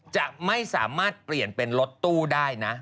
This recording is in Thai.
จะไม่สามารถเปลี่ยนเป็นรถตู้ได้นะ